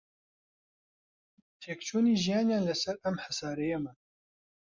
تێکچوونی ژیانیان لەسەر ئەم هەسارەیەمان